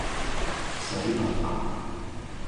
洗白白